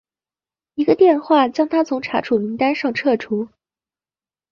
一个电话将他从查处名单上撤除。